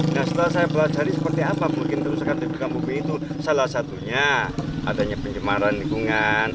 nah setelah saya belajar seperti apa bikin kerusakan di buka bumi itu salah satunya adanya pencemaran lingkungan